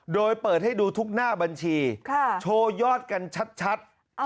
โดยเปิดให้ดูทุกหน้าบัญชีโชว์ยอดกันชัด